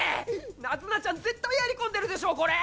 ナズナちゃん絶対やり込んでるでしょこれ！